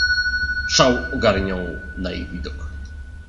"Szał ogarniał na ich widok."